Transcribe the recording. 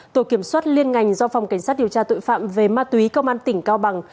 tổ kiểm soát liên ngành do phòng cảnh sát điều tra tội phạm về ma túy công an tỉnh cao bằng